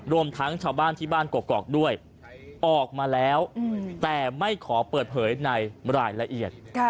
รวมทั้งชาวบ้านที่บ้านกรอกด้วยออกมาแล้วแต่ไม่ขอเปิดเผยในรายละเอียด